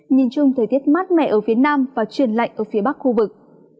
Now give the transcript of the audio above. nhìn chung thời tiết mát mẻ ở phía nam và chuyển lạnh ở phía bắc khu vực